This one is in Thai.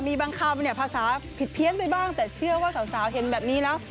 มีบางคำเนี่ยภาษาผิดเพี้ยนไปบ้างแต่เชื่อว่าสาวเห็นแบบนี้แล้ว